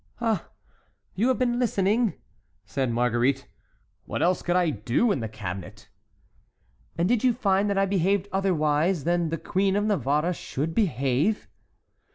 "Ah! you have been listening?" said Marguerite. "What else could I do in the cabinet?" "And did you find that I behaved otherwise than the Queen of Navarre should behave?"